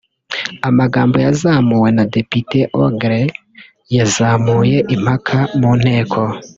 Amagambo yazamuwe na Depite Ogle yazamuye impaka mu Nteko